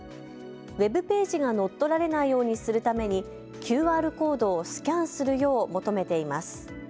Ｗｅｂページが乗っ取られないようにするためにＱＲコードをスキャンするよう求めています。